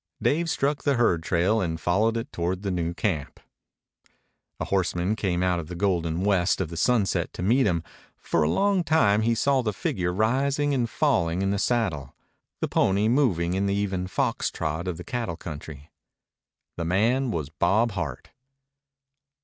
Dave struck the herd trail and followed it toward the new camp. A horseman came out of the golden west of the sunset to meet him. For a long time he saw the figure rising and falling in the saddle, the pony moving in the even fox trot of the cattle country. The man was Bob Hart.